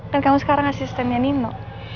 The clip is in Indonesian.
kan kamu sekarang asistennya nino